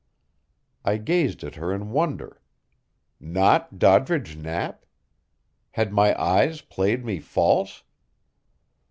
I gazed at her in wonder. Not Doddridge Knapp! Had my eyes played me false?